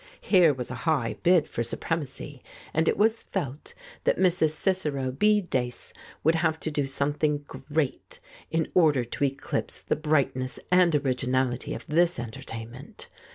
Here was a high bid for sup remacy, and it was felt that Mrs. Cicero B. Dace would have to do something great in order to eclipse the brightness and originality of this entertainment.